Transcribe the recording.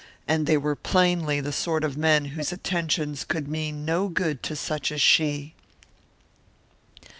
And they were plainly the sort of men whose attentions could mean no good to such as she.